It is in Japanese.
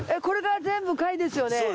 これが全部貝ですよね？